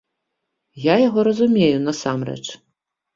Я яго разумею, насамрэч.